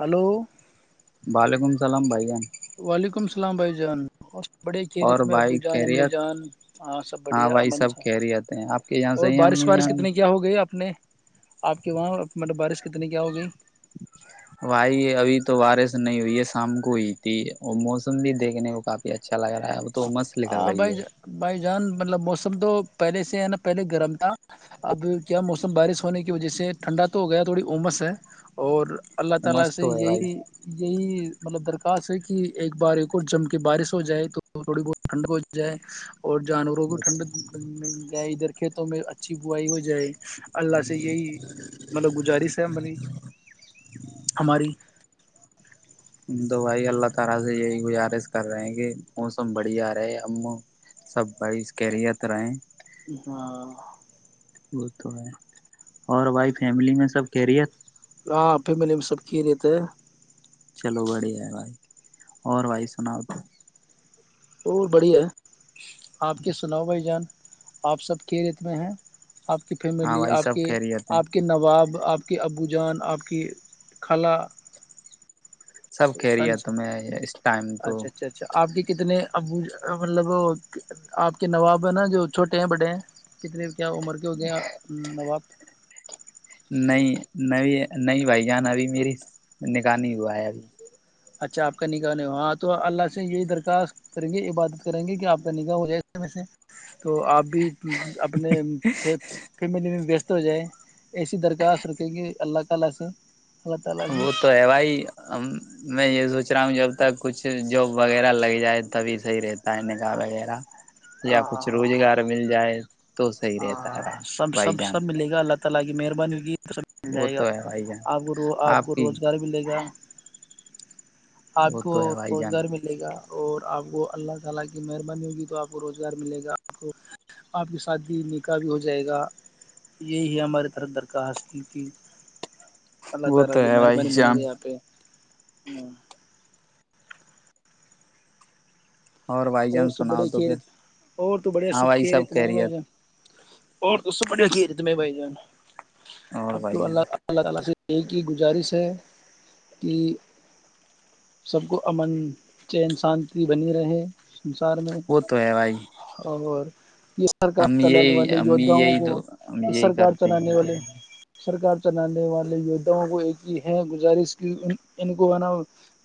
hello Ballygunge سسلام بھائیان وعلیکم السلام بھائی جان بڑے کھیر ات اور میں ابو بھائی جان امی خیریت جان ہاں سب بڑھیا بھائی امن سب سا خیریت ہیں آپ کے یہاں اور صحیح ہے بارش امی وارش جان کتنے کیا ہو گئے اپنے آپ کے وہاں مطلب بارش کتنی کیا ہو گئی بھائی ابھی تو بارش نہیں ہوئی ہے شام کو ہوئی تھی اور موسم بھی دیکھنے کو کافی اچھا اچھا لگ رہا ہے وہ تو مست ل کر ہاں رہی بھائی ہے بھائی جان مطلب موسم تو پہلے سے ہے نا پہلے گرم تھا اب کیا موسم بارش ہونے کی وجہ سے ٹھنڈا تو ہو گیا تھوڑی امس ہے اور اللہ تعالی عمس سے تو ہے یہی بھائی یہی مطلب درخواست ہے کہ ایک بار ایک اور جم کے بارش ہو جائے تو تو تھوڑی بہت ٹھنڈ ہو جائے اور جانوروں بھی ٹھنڈ جائے ادھر کھیتوں میں اچھی بوائی ہو جائے اللہ سے یہی مطلب گزارش ہے ہمنی ہماری دو بھائی اللہ تعالی سے یہی گزارش کر رہے ہیں کہ موسم بڑی آ رہا ہے ہم سب بائی کییریت رہے ہاں وہ تو ہے اور بھائی فیملی میں سب کہرییت ہاں فیملی میں سب کی رہتے ہے چلو بڑھیا ہے بھائی اور بھائی سنا تو اور بڑھیا آپ کے سناؤ بھائی جان آپ سب کے ریت میں ہیں آپ کی ہاں فیملی بھائی آپ سب کے خیریت ہے آپ کے نواب آپ کے ابو جان آپ کی خلا سب کہہ رہی ہے سالس تمیں اس ٹائم تو اب مطلب آپ کے نواب ہیں نا جو چھوٹے ہیں بڑے ہیں کتنے کیا عمر کے ہو گئے نواب نہیں نہیں نہیں بھائی جان ابھی میری نکح نہیں ہوا ہے ابھی اچھا آپ کا نگااہ نہیں ہو ہاں تو اللہ سے یہی درخواست کریں گے یہ بادت کریں گے کہ آپ کا نگاہ ہو جائے اسے میں سے تو آپ بھی اپنے فیملی میں وست ہو جائیں ایسی درخواست رکھے گی اللہ تعالی سے تعالی سے وہ تو ہے بھائی میں یہ سو پچا ہ جب تک کچھ جاب وغیرہ لگ جائے تبھی صحیح رہتا ہے نکاح وغیرہ یا ہاں کچھ ہاں ہاں روزگار مل جائے تو صحیح رہتا ہاں ہے بھائی سب سب بھائی جان سب ملے گا اللہ لگ مہربانی ہوی مل وہ جائے گا تو ہے بھائی جان آپ کو روزگار ملے گا آپ وہ کو تو ہے بھائی جان روزگار ملے گا اور آپ کو اللہ تعالی کی مہربانی ہوگی تو آپ کو روزگار ملے گا آپ کو آپ کے ساتھ شادی نیکاح بھی ہو جائے گا یہی ہماراری طرف درخواست کی تھی اللہ وہ تعالی تو کی ہے بھائی مہربانی بنی جان رہی آپہ ہمم بھائی اور جان سب سناؤ بڑے تو کھی پھر رہے تھے اور تو بڑے ہاں سب بھائی کھی رہے تھے میں بھائی خیریت جان اور تو سب بڑ کیی ت میں بھائی ج اور اب تو بھائی جان اللہ اللہ تعالی سے ایک ہی گزارش ہے کہ سب کو امن چین شانتی بنی رہے سسار میں وہ تو ہے بھائی اور یہ سرکار ہم چلانے یہی والے ہم ھاں یہی کو تو ہم یہ یہی سرکار کرتے چلانے ہیں کہ والے سرکار گزارش کے اوپر ان کو نا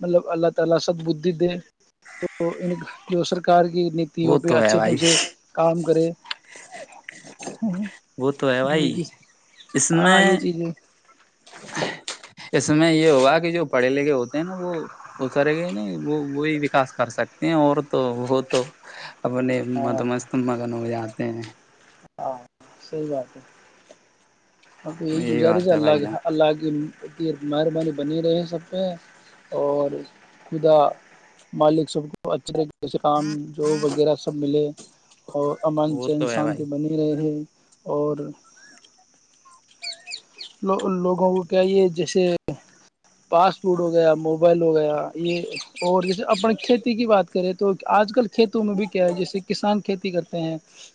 مطلب اللہ تعالی سب بدھ دے تو ان جو سرکار کی نیتیوں وہ پہ تو ہے اچھے بھائی ڈنگ سے کام کرے وہ تو ہے بھائی یہ اس ہاں میں یہ چیزیں اس میں یہ ہوگا کہ جو پڑھے لکھے ہوتے ہیں نا وہ اترے گئے ہی نہیں وہ وہی وکاس کر سکتے ہیں اور تو وہ تو اپنے ہاں مت مست مگن ہو جات [inaudible] ہاں صحی بات ہے آپ یہی گزار بات ہے بھائی اللہ جان اللہ کے مہربانی بنی رہے سب پہ اور خدا مالک سب کو اچھے جسے کام جو وغیرہ سب ملے اور امن وہ سے ان تو ہے شانتی بھائی بنی رہے اور لو لوگوں کو کیا یہ جیسے پاسٹ فوڈ ہو گیا موبائل ہو گیا یہ اور جیسے اپن کھیتی کی بات کریں تو آج کل کھیتی میں بھی کیا ہے جیسے کسان کھیتی کرتے پ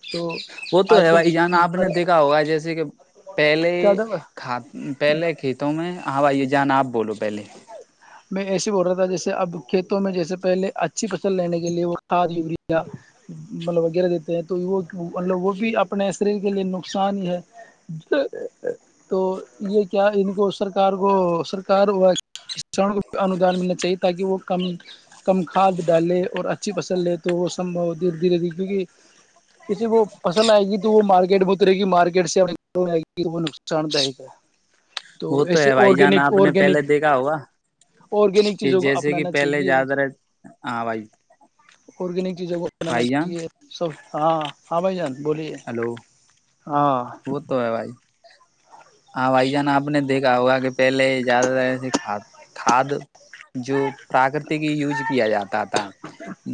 وہ تو ہے بھائی جان آپ نے دیکھا ہوگا جیسے کہ پہلے زیادہ ک پہلے کھیتوں میں ہاں بھائی یہ جانا آپ بولو پہلے میں ایسے بول رہا تھا جیسے اب کھیتوں میں جیسے پہلے اچھی فصل لینے کے لیے وہ کھاد یوریا مطلب وغیرہ دیتے ہیں تو وہ مطلب وہ بھی اپنے شریر کے لیے نقصان ہی ہے تو یہ کیا ان کو سرکار کو سرکار کو اندان ملنا چاہیے تاکہ وہ کم کم کھاد ڈالے اور اچھی فصل لے تو وہ سمبھ دھیرے دھیرےے کیونکہ کسی کو فصل آئے گی تو وہ مارکیٹ میں اترے گی مارکیٹ سےئے گی وہ نقصان دائک ہے وہ تو ایسے ہے بھائی جان آرگینک آپ نے پہلے آرگینک دیکھا ہو آرگینک چیزوں کو اپنانا پہلے چاہیے زیادہ تر، ہاں بھائی آرگینک چیزوں کو اپنانا بھائی جان چاہیے سب ہاں ہاں بھ جان بولیے ہلو ہاں وہ تو ہے بھائی ہاں بھائی جان آپ نے دیکھا ہوگا کہ پہلے زیادہ تر کھاد جو پراکرتک ہی یوز کیا جاتا تھا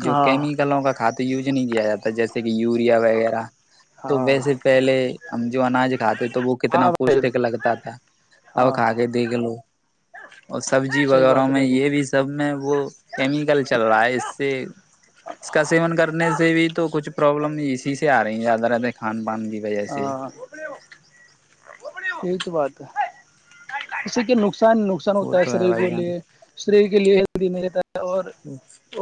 جو ہاں کیمکلوں کا کھاتا تو یوج نہیں کیا جاتا جیسے کہ یوریا وغیرہ تو ہاں ویسے پہلے ہم جو اناج کھاتے تو وہ کتنا ہاں بھائی پوشٹک لگتا تھا اب ہاں کھ کے دیکھ لو اور سبزی صحیح بات وغیرہ ہے میں بھائی جان یہ بھی سب میں وہ کیمیکل چل رہا ہے اس سے اس کا سیون کرنے سے بھی تو کچھ پرابلم اسی سے آ زیادہ رہتے کان پان ج ب سے ہاں یہی تو بات ہے اسے کیا نق نقصان نقصان وہ ہوتا ہے تو شریر بھائی کے لیے جان سری کے لیےی میرے اور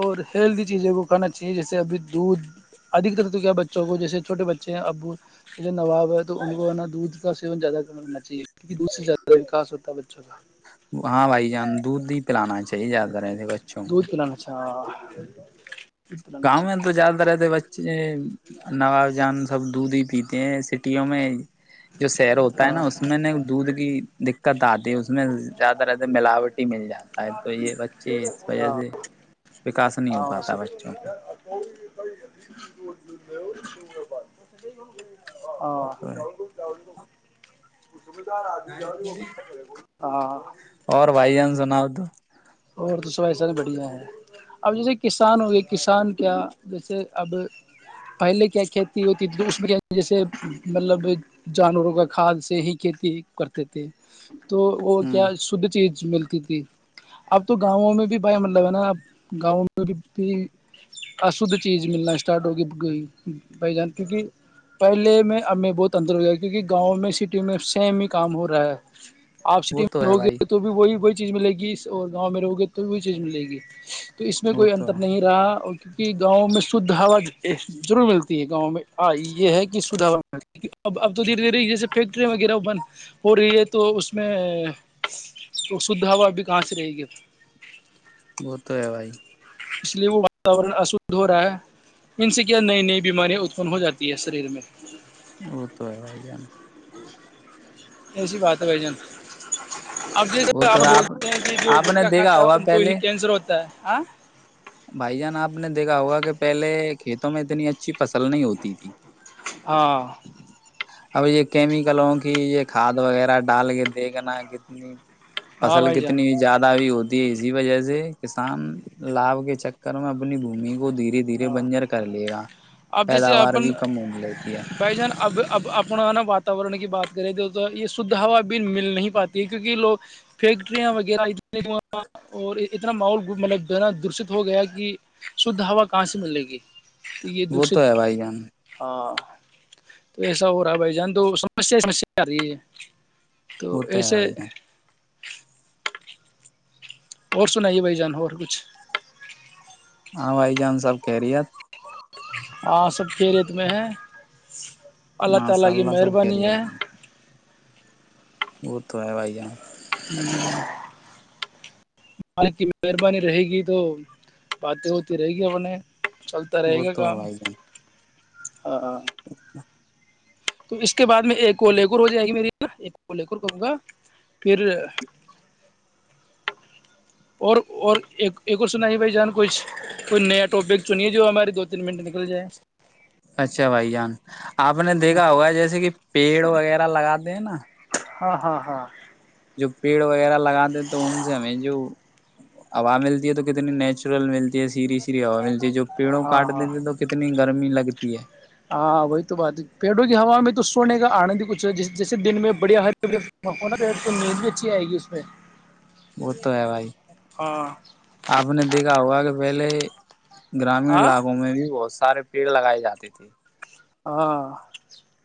اور ہیلدی چیزیں کو کھانا چاہیے جیسے ابھی دودھدھ تر تو کیا ہے بچوں کو جیسے چھوٹے بچے ہیں ابو نواب ہے تو ان کو ہے نا دودھ کا سیون زیادہ کرنا چاہیے کیہ دھ سے زیادہ وکا ہوتا ہے بچوں کا [unintelligible] ہاں بھائی جان دودھ ہی پلانا چاہیے زیادہ رہتے بچوں کو دودھ پلانا [unintelligible] گاؤں میں تو چاہیے زیادہ رہتے بچے نواب جان سب دودھ ہی پیتے ہیں سٹیوں میں جو سیر ہوتا ہے نا ہاں اس میں نے دودھ کی دقت آتی ہے اس میں زیادہ رہ ملاوٹی ہی مل جاتی سید تو یہ بچے وج ہاں سے وکا نہیں ہو ہاں پاتا وس [unintelligible] [unintelligible] تو ہے [unintelligible] ہاں اور بھائی جان سناؤ تو اور تو سو ایسا بڑھیا ہے اب جیسے کسان ہو گئے کسان کیا جیسے اب پہلے کیا کھیتی ہوتی تھی تو اس میں کیا جیسے مطلب جانوروں کا کھاد سے ہی کھیتی کرتے تھے تو وہ کیا ہوں شدھ چیز ملتی تھی اب تو گاؤں میں بھی بھائی مطلب ہے نا اب گاؤں میں بھی بھی اشدھ چیز ملنا اسٹارٹ ہوگی گئی بھائی جان کیونکہ پہلے میں اب میں بہت اندر ہو گیا کیونکہ گاؤں میں سٹی میں سیم ہی کام ہو رہا ہے آپ س وہ تو ہے ہو گی بھائی تو بھی وہی ب چیز ملے گی اور گاؤں میں رہو گے تو وہ چیز ملے گی تو اس میں وہ کوئی تو انتر ہے نہیں رہا اور کی کہ گاؤں میں شھ ہا ضرور ملتی ہے گاؤں میں یہ ہے کہ شھ ہا مل ہے اب اب تو دھیرے دھیرے جیسے فیکٹرییاں وغیرہ بند ہو رہی ہے تو اس میں شھ ہوا گاس رہی گ وہ تو ہے بھائی اس لیے وہ واتورن اشھ ہو رہا ہے ان سے کیا نئی نئی بیماریاں اتپن ہو جاتی ہے شریر میں وہ تو ہے آ ہی جان ایسیی بات ہے بھائی جان اب ج وہ آپ تو ہے بولتے ہیں کہ جو آپ نے گٹلہ دیکھا کھاتا ہے ہوگا ان کو ہی پہلے کینسر ہوتا ہے آ [unintelligible] بھائی جان آپ نے دیکھا ہوگا کہ پہلے کھیتوں میں اتنی اچھی فصل نہیں ہوتی تھی ہاں اب یہ کیمیکلوں کی یہ کھاد وغیرہ ڈال کے دیکھنا کتنی ہاں فصل بھائی جان کتنی زیادہ بھی ہوتی اسی وجہ سے کسان لابھ کے چکر میں اپنی بھمی وہ دھیرے دھیرے بنجر کر لیے گا اب جیسے پیداوار اپن بھی کم ہو لیتی ہے بھائی جان اب اب اپنا نا واتورن کی بات کریں تو تو یہ شدھ ہوا بھی مل نہیں پاتی ہے کیونکہ لوگ فیکٹریاں وغیرہ اور اتنا ماحول مطلب جو ہے نا دشت ہو گیا کہ شھ ہوا کہاں سے ملے گی تو یہ وہ تو ہے دشت بھائی جان ہاں تو ایسا ہو رہا ہے بھائی جان تو سمسیا ہی سمسیا آ رہی ہے تو وہ ہے ایسے بھائی جان اور سنائیے بھائی جان اور کچھ ہاں بھائی جان سب کہہ رہی ہے ہاں سب کے ریت میں ہے ماشاء اللہ سب ہ خیریت وہ تو ہے بھائی جان بیا [unintelligible] کی مہربانی رہے گی تو باتیں ہوتی رہے گی اپیں چلتا وہ رہے گا تو ہے کام بھائی جان ہاں ہاں تو اس کے بعد میں ایک کولہےور ہو جائے گی میری نا ایک کولہے کوور کروں گا پھر اور اور ایک ایک اور سنا ہے بھائی جان کوئی کوئی نیا ٹاپک چنیے جو ہمارے دو تین منٹ نکل جائے اچھا بھائی جان آپ نے دیکھا ہوگا جیسے کہ پیڑ وغیرہ لگا دینا [unintelligible] [inaudible] ہاں ہاں ہاں جو پیڑ وغیرہ لگاتے ہیں تو ان سے ہمیں جو ہوا ملتی ہے تو کتنی نیچرل ملتی ہے سیریھی سیھی ہوا ملتی ج جو پیڑوں ہاں کاٹ ہاں دیتے تو کتنی گرمی لگتی تی ہے [unintelligible] [inaudible] ہاں وہی تو بات ہے پیڑوں کی ہوا میں تو سونے کا آنند ہی کچھ ہے جیسے دن میں بڑیا ہر نید بھی اچھی آئے گی اس میں وہ تو ہے بھائی ہاں آپ نے دیکھا ہوا کہ ولے گرامیین ہاں علاقوں میں بھی بہت س سارے پیڑ لگائے جاتے تھے ہاں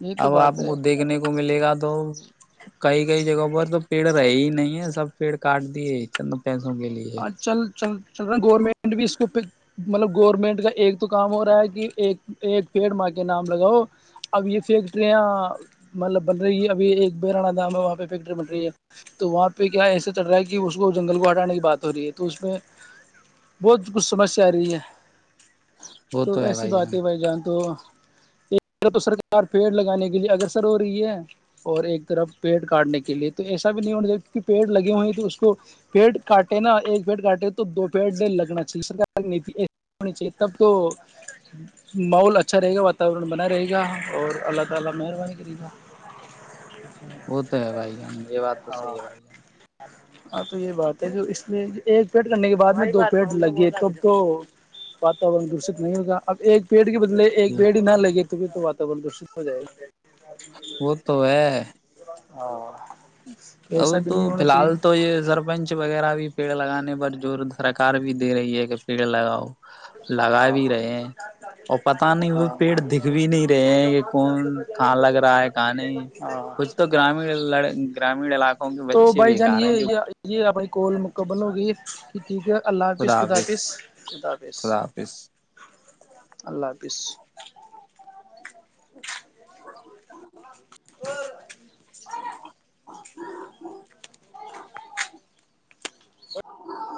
یہ تو اب آپ بات کو ہے دیکھنے کو ملے گا تو تو کئی کئی جگہوں پر تو پیڑ رہے ہی نہیں ہے سب پیڑ کاٹ دیے چند پیسوں کے لیے ہاں چل چل چل رہا گورنمنٹ بھی اس کو پ مطلب گورنمنٹ کا ایک تو کام ہو رہا ہے کہ ایک ایک پیڑ ماہ کے نام لگاؤ اب یہ فیکٹریاں مطلب بن رہی ہے ابھی ایک بیرانا دام ہے وہاں پہ فیکٹری بن رہی ہے تو وہاں پہ کیا ایسے چل رہا ہے کہ اس کو جنگل کو ہٹانے کی بات ہو رہی ہے تو اس میں بہت کچھ سمسیا آ رہی ہے تو ایسی بات ہے بھائی جان تو ایک طرف تو سرکار پیڑ لگانے کے لیے اگگرسر ہو رہی ہے اور ایک طرف پیڑ کاٹنے کے لیے تو ایسا بھی نہیں ہونا چاہیے کیونکہ پیڑ لگے ہوئے ہیں تو اس کو پیڑ کاٹ ایک بیڈ کاٹے تو دوپہر سے لگنا چاہیے تب تو ماحول اچھا رہے گا بنا رہے گا اور اللہ تعالی مہربانی کر وہ تو ہے بھائی جان یہ بات تو سی ہے بھائی جان ہاں تو یہ بات ہے کہ اس ایک پیٹ کرنے کے بعد میں دو پیڑ لگے کب تو واتورن دشت نہیں ہوگا اب ایک پیڑ کے بدلے ایک جان بڑ نہھر لگے گ تو واتاور درشت ہو جائے وہ تو ہے اور ا تو فی الحال تو یہ سرپنچ وغیرہ بھی پیڑ لگانے ب جو درکار بھی دے رہی ہے کہ پیڑ لگاؤ لگا بھی رہے ہیں اور پتا نہیں وہ پیڑ دکھ بھی نہیں رہے ہیں کہ کون کہاں لگ رہا ہے کہاں نہیں کچھ تو گرام ل گام تو بھائی جان یہ یہ یہ اپنے کوول مکمل ہوگی ٹھیک ہے اللہ حافظ خدافظ خداظ خدا حافظ اللہ حافظ اور [unintelligible] ہ [inaudible] ہ [inaudible]